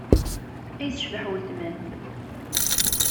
Ay tecbeḥ uletma-m!